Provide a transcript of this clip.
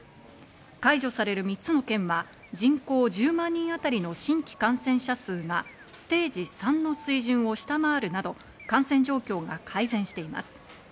解除される３つの県は人口１０万人あたりの新規感染者数がステージ３の水準を下回るなど感染状況が改善しています。